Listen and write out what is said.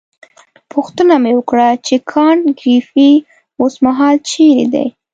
پوښتنه مې وکړه چې کانت ګریفي اوسمهال چیرې دی.